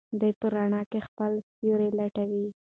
دی په رڼا کې خپل سیوری لټوي.